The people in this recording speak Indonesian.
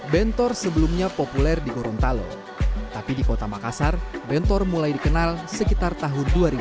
bentor sebelumnya populer di gorontalo tapi di kota makassar bentor mulai dikenal sekitar tahun dua ribu